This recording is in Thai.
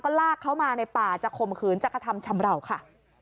ก็ลากเขามาในป่าจะคมคืนจักรธรรมชำราวค่ะ